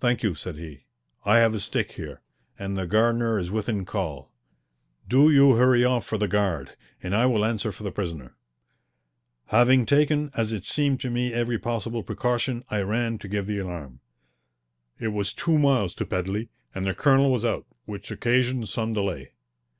"Thank you," said he. "I have a stick here, and the gardener is within call. Do you hurry off for the guard, and I will answer for the prisoner." Having taken, as it seemed to me, every possible precaution, I ran to give the alarm. It was two miles to Pedley, and the colonel was out, which occasioned some delay.